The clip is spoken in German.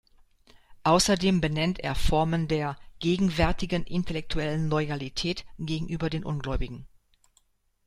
Außerdem benennt er Formen der „gegenwärtigen intellektuellen Loyalität“ gegenüber den Ungläubigen.